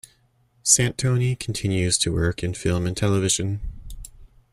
Santoni continues to work in film and television.